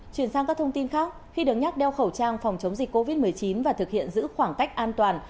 chuyển sang các thông tin khác khi đứng nhắc đeo khẩu trang phòng chống dịch covid một mươi chín và thực hiện giữ khoảng cách an toàn